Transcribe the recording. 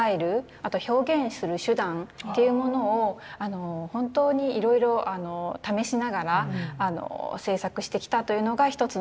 あとは表現する手段というものを本当にいろいろ試しながら制作してきたというのが一つの特徴なんですね。